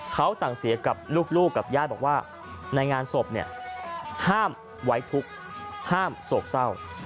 เขาสั่งเสียกับลูกกับญาติบอกว่าในงานศพเนี่ยห้ามไว้ทุกข์ห้ามโศกเศร้า